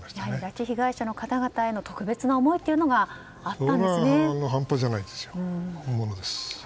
拉致被害者の方々への特別な思いが半端じゃないですよ。